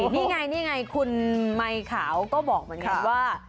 นี่ไงคุณไมคาวก็บอกมันอย่างนั้นว่า